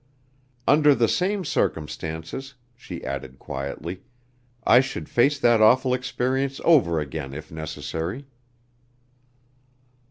Under the same circumstances," she added quietly, "I should face that awful experience over again if necessary."